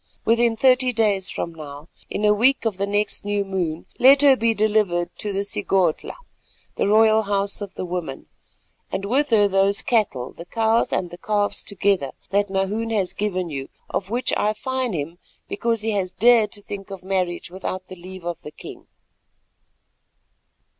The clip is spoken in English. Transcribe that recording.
Within thirty days from now, in the week of the next new moon, let her be delivered to the Sigodhla, the royal house of the women, and with her those cattle, the cows and the calves together, that Nahoon has given you, of which I fine him because he has dared to think of marriage without the leave of the king."